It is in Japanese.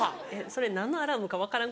それ何のアラームか分からん